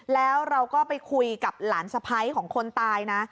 แล้วเราก็ไปคุยกับหลานสะพ้ายของคนตายนะ